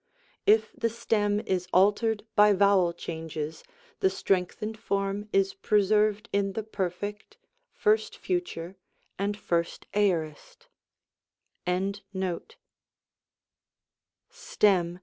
If the stem is altered by vowel changes, the strengthened form is preserved in the Perfect, 1st Future, and 1st Aorist.